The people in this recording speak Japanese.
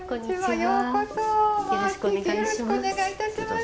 よろしくお願いします。